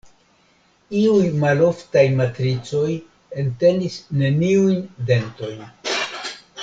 Iuj maloftaj matricoj entenis neniujn dentojn.